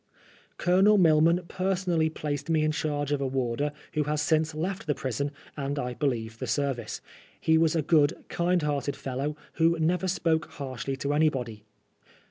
Colonel Milman personally placed me in charge of a warder who has since left the prison, and I believe the service^ He was a good, kind *hearted fellow, who never spoke harshly to any* body.